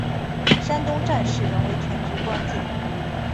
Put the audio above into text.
山东战事仍为全局关键。